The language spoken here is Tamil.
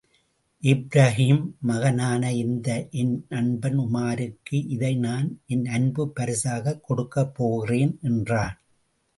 இப்ராஹீம் மகனான இந்த என் நண்பன் உமாருக்கு இதை நான் என் அன்புப் பரிசாகக் கொடுக்கப் போகிறேன் என்றான்.